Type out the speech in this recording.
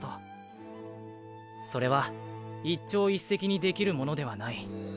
それは一朝一夕に出来るものではない。